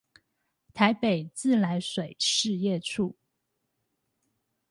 臺北自來水事業處